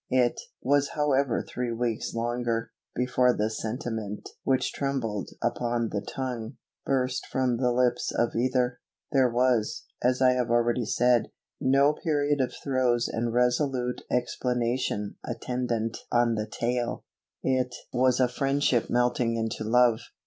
It was however three weeks longer, before the sentiment which trembled upon the tongue, burst from the lips of either. There was, as I have already said, no period of throes and resolute explanation attendant on the tale. It was friendship melting into love.